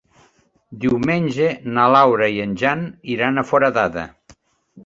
Diumenge na Laura i en Jan iran a Foradada.